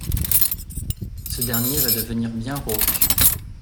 Ce dernier va devenir bien rauque.